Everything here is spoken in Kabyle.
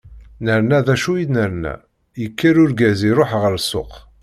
Nerna, d acu i nerna, yekker urgaz iruḥ ɣer ssuq.